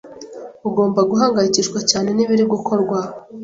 Ugomba guhangayikishwa cyane nibiri gukorwa.